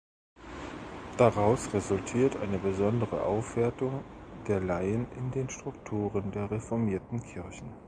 Daraus resultiert eine besondere Aufwertung der Laien in den Strukturen der reformierten Kirchen.